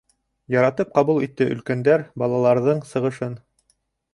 Яратып ҡабул итте өлкәндәр балаларҙың сығышын.